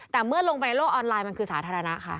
แต่เมื่อลงไปในโลกออนไลน์มันคือสาธารณะค่ะ